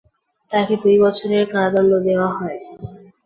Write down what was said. তাকে দুই বছরের কারাদণ্ড দেওয়া হয়।